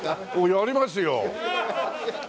やりますよ。